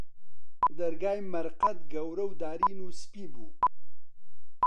دەرگای مەرقەد، گەورە و دارین و سپی بوو